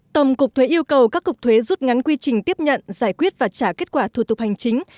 tổng cục thuế yêu cầu các cục thuế rút ngắn quy trình tiếp nhận giải quyết và trả kết quả thủ tục hành chính